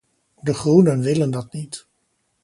De groenen willen dat niet.